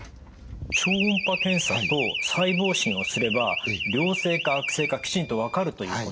超音波検査と細胞診をすれば良性か悪性かきちんと分かるということなんですね？